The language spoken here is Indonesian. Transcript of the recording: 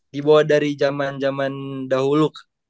dibawa dari zaman zaman dahulu